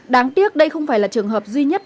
đáng tiếc đây không phải là trường hợp duy nhất